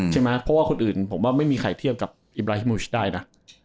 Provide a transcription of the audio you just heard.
ใช่ไหมเพราะว่าคนอื่นผมว่าไม่มีใครเทียบกับอิบราฮิมูชได้นะ